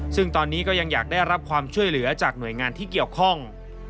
ซึ่งตอนนี้ก็ยังอยากได้รับความช่วยเหลือจากหน่วยงานที่เกี่ยวข้อง